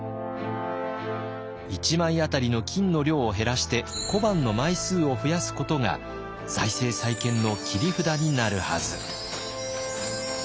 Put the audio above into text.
１枚当たりの金の量を減らして小判の枚数を増やすことが財政再建の切り札になるはず。